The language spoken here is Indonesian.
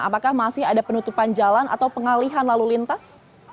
apakah masih ada penutupan jalan atau pengalihan lalu lintas